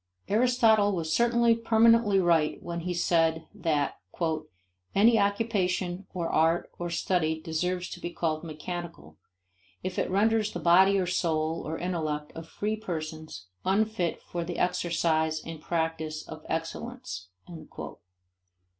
Aristotle was certainly permanently right when he said that "any occupation or art or study deserves to be called mechanical if it renders the body or soul or intellect of free persons unfit for the exercise and practice of excellence."